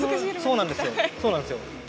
そうなんですよ。